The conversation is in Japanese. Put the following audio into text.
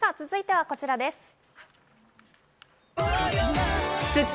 続いてはこちらです。